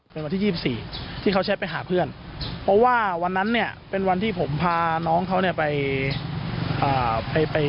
เป็นวันที่๒๔ที่เขาแชทไปหาเพื่อนเพราะว่าวันนั้นเนี่ยเป็นวันที่ผมพาน้องเขาเนี่ยไปไป